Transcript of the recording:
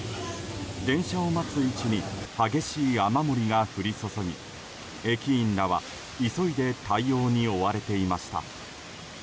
電車を待つ位置に激しい雨漏りが降り注ぎ駅員らは急いで対応に追われていました。